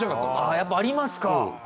やっぱありますか。